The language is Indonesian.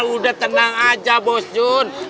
udah tenang aja bos jun